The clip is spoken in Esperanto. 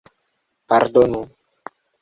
Pardonu!